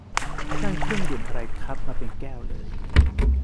นั่นเครื่องดื่มอะไรครับ มาเป็นแก้วเลย